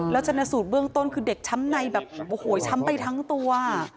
แล้วชนะสูตรเบื้องต้นคือเด็กช้ำในแบบโอ้โหช้ำไปทั้งตัว